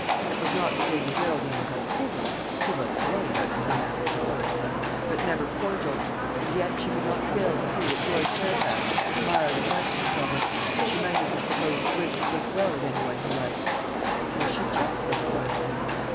It was not that Lady Geraldine was uncivil. She was polite, after her manner, to Clarissa, but never cordial; and yet she could not fail to see that George Fairfax admired and liked Miss Lovel, and she might have been supposed to wish to think well of any one he liked. Was she jealous of Clarissa?